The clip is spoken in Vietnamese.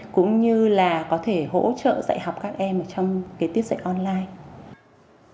cũng như là có thể hỗ trợ dạy học các em trong cái tiết dạy online